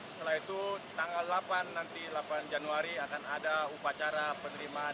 setelah itu tanggal delapan nanti delapan januari akan ada upacara penerimaan